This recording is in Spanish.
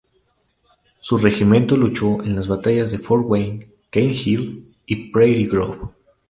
Su regimiento luchó en las batallas de Fort Wayne, Cane Hill y Prairie Grove.